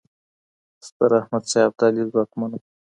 ستراحمدشاه ابدالي ځواکمن و.